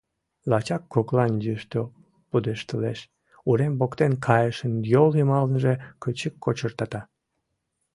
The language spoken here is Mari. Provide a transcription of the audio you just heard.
Лачак коклан йӱштӧ пудештылеш, урем воктен кайышын йол йымалныже кычык кочыртата.